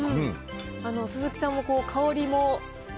鈴木さんも、香りもと。